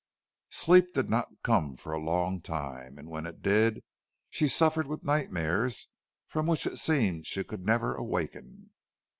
Sleep did not come for a long time. And when it did she suffered with nightmares from which it seemed she could never awaken.